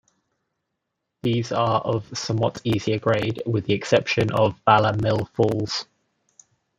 These are of somewhat easier grade, with the exception of Bala Mill Falls.